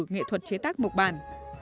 nghệ thuật chế tác mộc bản